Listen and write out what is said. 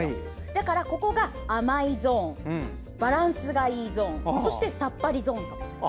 だから、上が甘いゾーンバランスがいいゾーンそしてさっぱりゾーンと。